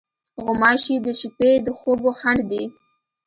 غوماشې د شپې د خوبو خنډ دي.